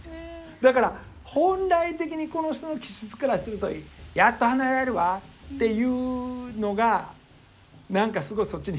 だから本来的にこの人の気質からすると「やっと離れられるわ」っていうのが何かすごいそっちにひかれるわけ。